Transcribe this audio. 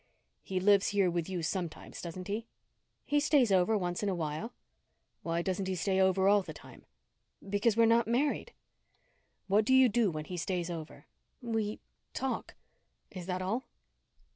"He lives here with you sometimes, doesn't he?" "He stays over once in a while." "Why doesn't he stay over all the time?" "Because we're not married." "What do you do when he stays over?" "We talk." "Is that all?"